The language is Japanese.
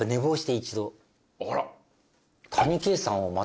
あら。